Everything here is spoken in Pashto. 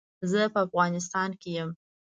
زه په افغانيستان کې يم.